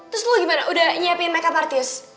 terus lo gimana udah nyiapin makeup artis